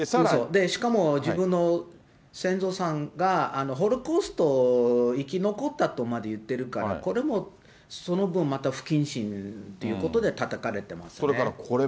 しかも自分の先祖さんがホロコースト生き残ったとまで言ってるから、これもその分、また不謹慎っていうことでたたかれてますね。